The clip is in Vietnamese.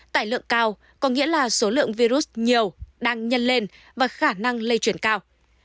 tài lượng cao có nghĩa là số lượng virus nhiều đang nhân lên và khả năng lây chuyển cao